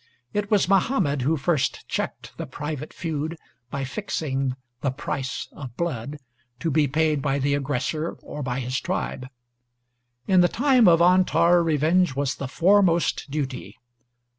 It was Muhammad who first checked the private feud by fixing "the price of blood" to be paid by the aggressor or by his tribe. In the time of Antar revenge was the foremost duty.